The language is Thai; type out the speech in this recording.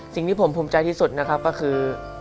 สิ่งที่ผมภูมิใจที่สุดนะครับก็คือ